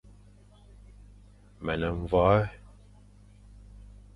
Me ne mvoè;